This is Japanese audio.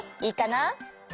いいかな？